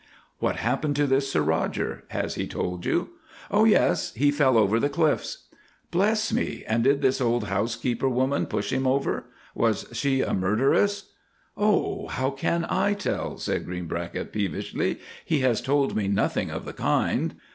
"What happened to this Sir Roger? Has he told you?" "Oh! yes he fell over the cliffs." "Bless me, and did this old housekeeper woman push him over. Was she a murderess?" "Oh, how can I tell," said Greenbracket peevishly, "he has told me nothing of the kind."